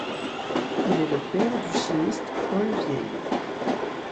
Il est le père du chimiste Paul Vieille.